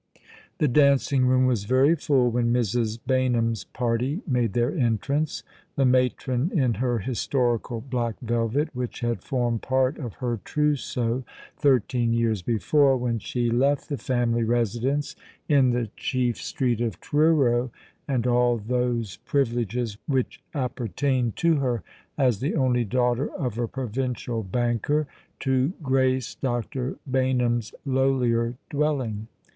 The dancing room was very full when Mrs. Baynham's party made their entrance, the matron in her historical black velvet — which had formed "part of her trousseau thirteen years before, when she left the family residence in the chief street of Truro, and all those "privileges which appertained to her as the only daughter of a provincial banker, to grace Dr. Baynham's lowlier dwelling.